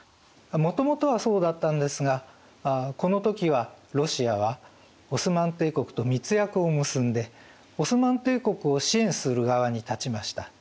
もともとはそうだったんですがこの時はロシアはオスマン帝国と密約を結んでオスマン帝国を支援する側に立ちました。